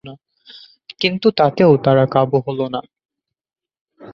কিন্তু তাতেও তারা কাবু হলো না।